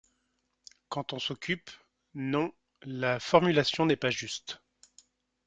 Quand on s’occupe-- Non. la formulation n’est pas juste.